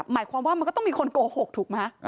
หมายความว่ามันก็ต้องมีคนโกหกถูกไหม